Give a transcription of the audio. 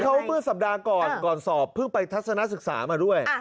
แล้วพี่เบิ้ลสัปดาห์ก่อนก่อนสอบเพิ่งไปทัศนศึกษามาด้วย